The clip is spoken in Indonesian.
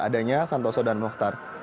adanya santoso dan mohtar